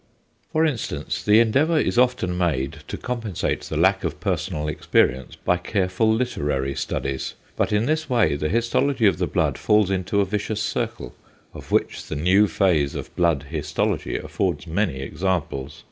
For instance, the endeavour is often made to compensate the lack of personal experience by careful literary studies; but in this way the histology of the blood falls into a vicious circle, of which the new phase of blood histology affords many examples.